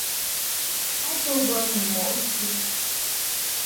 A to bə ni mɔʼ nchuʼ.